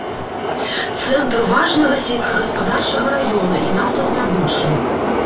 Цэнтр важнага сельскагаспадарчага раёна і нафтаздабычы.